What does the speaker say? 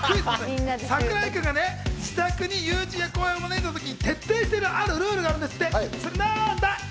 櫻井君がね、自宅に友人を招いたときに徹底しているあるルールがあるんですって、なんだ？